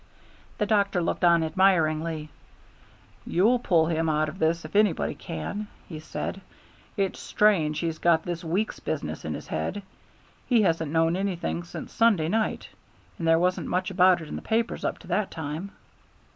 The doctor looked on admiringly. "You'll pull him out of this if anybody can," he said. "It's strange he's got this Weeks business in his head. He hasn't known anything since Sunday night, and there wasn't much about it in the papers up to that time."